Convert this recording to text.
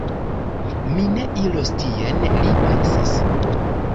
Mi ne iros tien, li pensis.